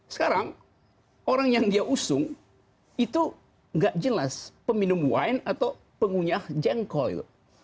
sekarang orang yang dia usung itu nggak jelas peminum wine atau pengunyah jengkol